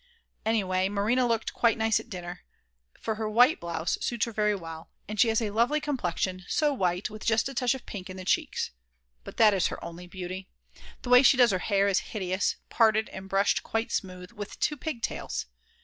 Anyway, Marina looked quite nice at dinner, for her white blouse suits her very well, and she has a lovely complexion, so white, with just a touch of pink in the cheeks. But that is her only beauty. The way she does her hair is hideous, parted and brushed quite smooth, with two pigtails.